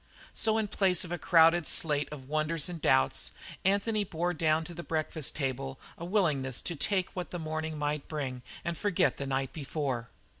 So in place of a crowded slate of wonders and doubts, Anthony bore down to the breakfast table a willingness to take what the morning might bring and forget the night before.